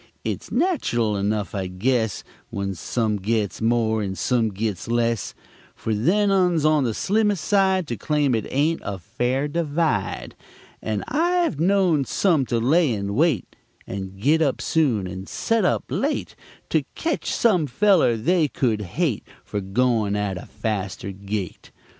Its natchurl enugh, I guess, When some gits more and some gits less, Fer them uns on the slimmest side To claim it ain't a fare divide; And I've knowed some to lay and wait, And git up soon, and set up late, To ketch some feller they could hate Fer goin' at a faster gait.